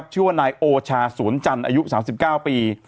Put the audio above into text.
ชื่อว่านายโอชาสวนจันทร์อายุ๓๙ปี